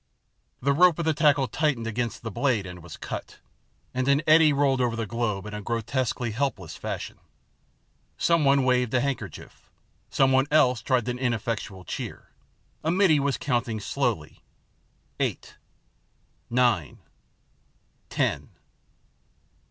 The rope of the tackle tightened against the blade and was cut, and an eddy rolled over the globe in a grotesquely helpless fashion. Someone waved a handkerchief, someone else tried an ineffectual cheer, IN THE ABYSS 77 a middy was counting slowly, " Eight, nine, ten